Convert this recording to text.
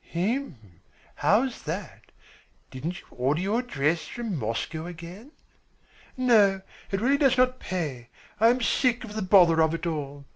"Hm, how's that? Didn't you order your dress from Moscow again?" "No, it really does not pay. I am sick of the bother of it all.